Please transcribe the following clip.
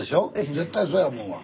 絶対そうや思うわ。